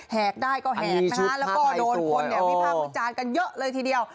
หากได้ก็หากน่ะแล้วก็โดนคนที่ผ้ามือจานกันเยอะรงไปทีเดียว